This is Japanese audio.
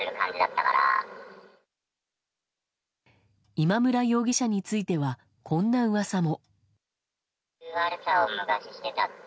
今村容疑者についてはこんな噂も。